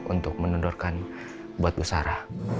untuk menundurkan ibuat bersara